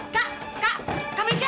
kak kak kak mesya